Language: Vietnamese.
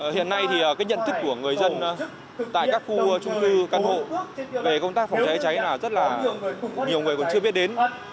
hiện nay thì cái nhận thức của người dân tại các khu trung cư căn hộ về công tác phòng cháy cháy là rất là nhiều người còn chưa biết đến